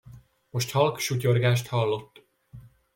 Most halk sutyorgást hallott.